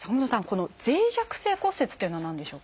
この脆弱性骨折というのは何でしょうか？